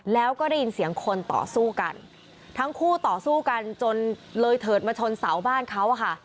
แล้วก็ได้ยินเสียงคนต่อสู้กันทั้งคู่ต่อสู้กันจนเลยเถิดมาชนเสาบ้านเขาอะค่ะ